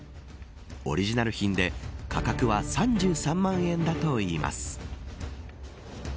オリジナル品で価格は３３万円だといいます。